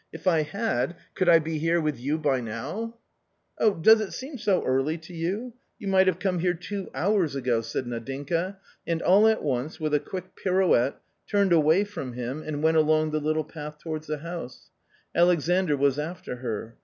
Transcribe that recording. i( If I had, could I be here with you by now ?"" Oh ! does it seem so early to you ? you might have come here two hours ago !" said Nadinka, and all at once, with a quick pirouette, turned away from him and went along the little path towards the house : Alexandr was after her.